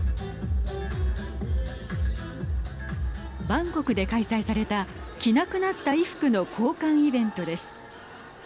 バンコクで開催された着なくなった衣服の交換イベントです。